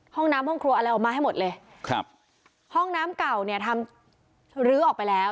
ห้องน้ำห้องครัวอะไรออกมาให้หมดเลยครับห้องน้ำเก่าเนี่ยทำลื้อออกไปแล้ว